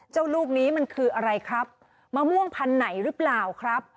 ลูกนี้มันคืออะไรครับมะม่วงพันธุ์ไหนหรือเปล่าครับ